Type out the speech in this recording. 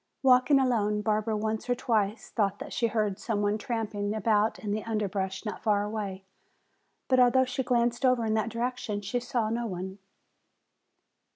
Walking alone, Barbara once or twice thought that she heard some one tramping about in the underbrush not far away. But although she glanced over in that direction she saw no one.